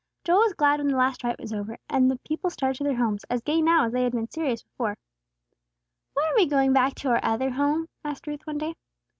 Joel was glad when the last rite was over, and the people started to their homes, as gay now as they had been serious before. "When are we going back to our other home?" asked Ruth, one day.